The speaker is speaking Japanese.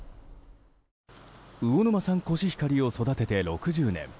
魚沼産コシヒカリを育てて６０年。